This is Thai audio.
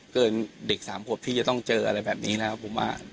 เด็กสามขวบที่จะต้องเจออะไรแบบนี้นะครับผมว่า